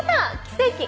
奇跡。